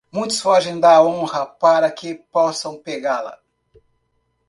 Muitos fogem da honra para que possam pegá-la.